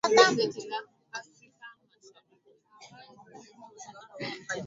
Kazini kwetu kuna kelele